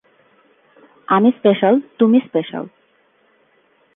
আমি স্পেশাল, তুমি স্পেশাল।